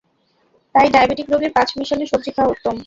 তাই ডায়াবেটিক রোগীর পাঁচমিশালী সবজি খাওয়া উত্তম।